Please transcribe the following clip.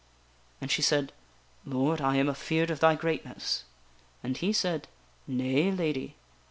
And she said :" Lord, I am afeard of thy greatness." And he said :" Nay, Lady.